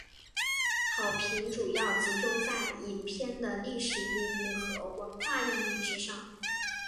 好评主要集中在影片的历史意义和文化意义之上。